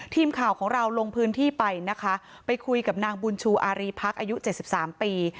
ทีมข่าวของเราลงพื้นที่ไปนะคะไปคุยกับนางบุญชูอารีพักษ์อายุ๗๓ปี